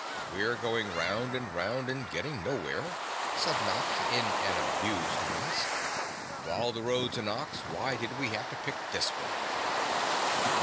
"We're going round and round and getting nowhere," said Nox in an abused voice. "Of all the roads in Oz why did we have to pick this one?"